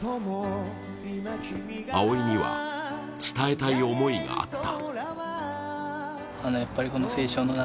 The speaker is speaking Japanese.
蒼生には、伝えたい思いがあった。